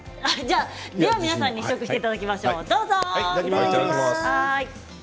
では皆さんに試食していただきましょうどうぞ。